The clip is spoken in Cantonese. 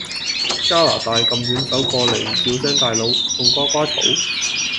加拿大咁遠走到過黎唔叫聲大佬仲瓜瓜嘈？